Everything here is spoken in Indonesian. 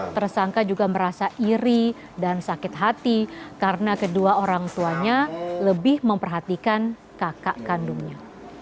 tersangka juga merasa iri dan sakit hati karena kedua orang tuanya lebih memperhatikan kakak kandungnya